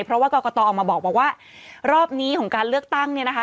เพราะว่ากรกตออกมาบอกว่ารอบนี้ของการเลือกตั้งเนี่ยนะคะ